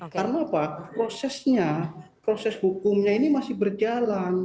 karena apa prosesnya proses hukumnya ini masih berjalan